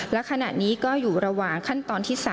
และขณะนี้ก็อยู่ระหว่างขั้นตอนที่๓